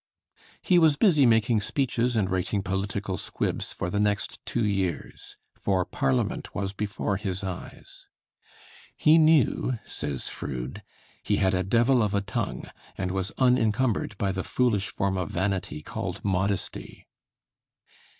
He was busy making speeches and writing political squibs for the next two years; for Parliament was before his eyes. "He knew," says Froude, "he had a devil of a tongue, and was unincumbered by the foolish form of vanity called modesty."